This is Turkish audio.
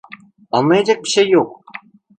Anlayacak bir şey yok.